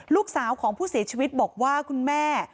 ลูกสาวของผู้เสียชีวิตบอกว่าคุณแม่